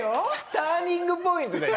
ターニングポイントだよ